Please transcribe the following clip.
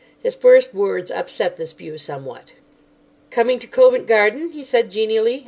His first words upset this view somewhat. "Coming to Covent Garden?" he said, genially.